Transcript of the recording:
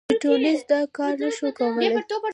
خو سټیونز دا کار نه شو کولای.